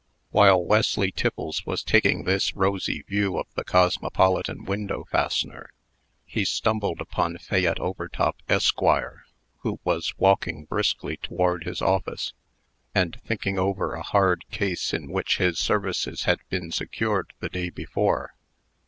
While Wesley Tiffles was taking this rosy view of the "Cosmopolitan Window Fastener," he stumbled upon Fayette Overtop, Esq., who was walking briskly toward his office, and thinking over a hard case in which his services had been secured the day before.